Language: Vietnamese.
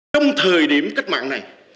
trong thời điểm cách mạng này